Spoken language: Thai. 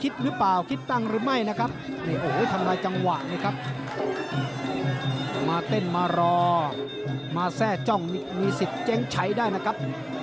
แซ่จ้องมีสิทธิ์เจ้งชัยได้นะครับ